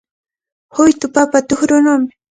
Huytu papa tukrunawmi.